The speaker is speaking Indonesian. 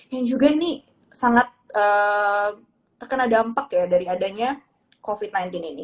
yang juga ini sangat terkena dampak ya dari adanya covid sembilan belas ini